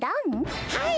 はい！